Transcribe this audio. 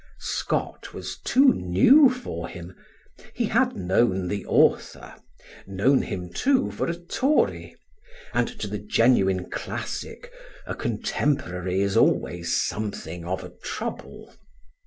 Scott was too new for him; he had known the author known him, too, for a Tory; and to the genuine classic a contemporary is always something of a trouble.